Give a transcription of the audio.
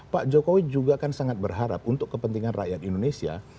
pak jokowi juga kan sangat berharap untuk kepentingan rakyat indonesia